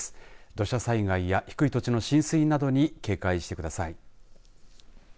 土砂災害や低い土地の浸水などに警戒してください。